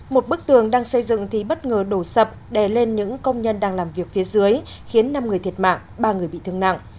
một bức tường đang xây dựng thì bất ngờ đổ sập đè lên những công nhân đang làm việc phía dưới khiến năm người thiệt mạng ba người bị thương nặng